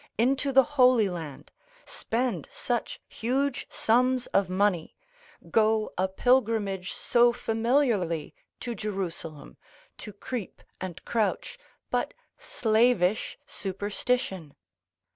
into the Holy Land, spend such huge sums of money, go a pilgrimage so familiarly to Jerusalem, to creep and crouch, but slavish superstition?